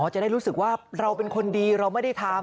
จะได้รู้สึกว่าเราเป็นคนดีเราไม่ได้ทำ